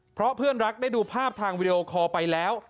เพราะเพื่อนรักได้ดูภาพทางวิดีโอคอลไปแล้ว